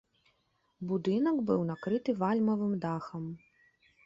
Будынак быў накрыты вальмавым дахам.